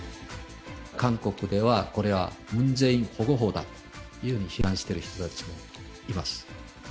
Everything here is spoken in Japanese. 韓国ではこれはムン・ジェイン保護法だというふうに批判している人たちもいます。